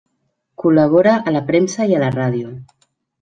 Col·labora a la premsa i a la ràdio.